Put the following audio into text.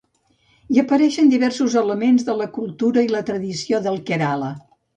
Hi apareixen diversos elements de la cultura i la tradició del Kerala.